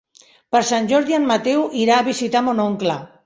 Per Sant Jordi en Mateu irà a visitar mon oncle.